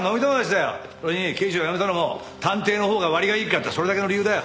それに刑事を辞めたのも探偵のほうが割がいいからってそれだけの理由だよ。